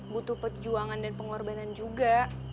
butuh perjuangan dan pengorbanan juga